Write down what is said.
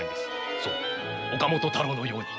そう岡本太郎のように。